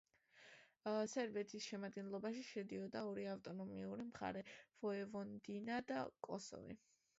სერბეთის შემადგენლობაში შედიოდა ორი ავტონომიური მხარე: ვოევოდინა და კოსოვო.